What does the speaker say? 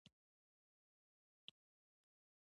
د انارو جوس تازه وي او ډېر ګټور دی.